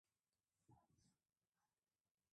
امریکا کې سوپرایلیویشن په فوټ اندازه کیږي